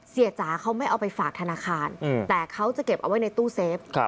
จ๋าเขาไม่เอาไปฝากธนาคารแต่เขาจะเก็บเอาไว้ในตู้เซฟ